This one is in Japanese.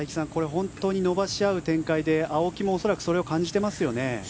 本当に伸ばい合う展開で青木も恐らくそれを感じていますよね。